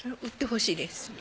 売ってほしいです。